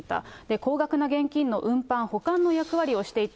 高額な現金の運搬、保管の役割をしていた。